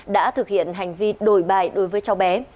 đã thực hiện hành vi đổi bài đối với cháu bé